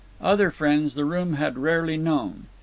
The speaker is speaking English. Other friends the room had rarely known.